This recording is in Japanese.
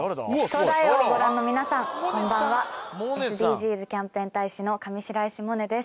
東大王をご覧の皆さんこんばんはＳＤＧｓキャンペーン大使の上白石萌音です